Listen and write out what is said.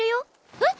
えっ！